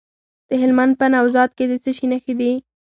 د هلمند په نوزاد کې د څه شي نښې دي؟